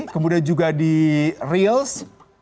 kemudian juga di reels